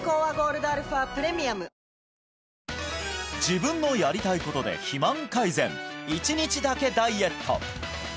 自分のやりたいことで肥満改善１日だけダイエット！